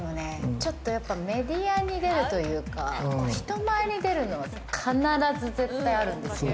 メディアに出るというか、人前に出るのは必ず絶対あるんですよ。